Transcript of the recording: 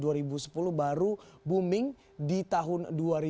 lalu baru booming di tahun dua ribu lima belas